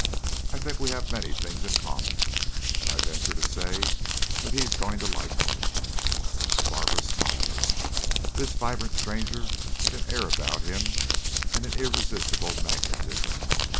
I think we have many things in common, and I venture to say that he is going to like me." Barbara smiled. This vibrant stranger had an air about him and an irresistible magnetism.